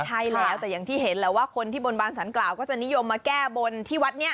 ใช่แล้วแต่อย่างที่เห็นแหละว่าคนที่บนบานสารกล่าวก็จะนิยมมาแก้บนที่วัดนี้